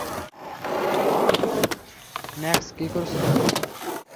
Max, কি করছো তুমি?